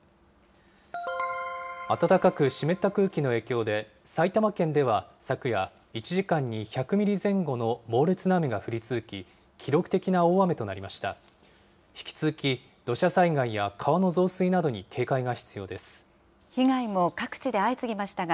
暖かく湿った空気の影響で、埼玉県では昨夜、１時間に１００ミリ前後の猛烈な雨が降り続き、記録的な大雨となりました。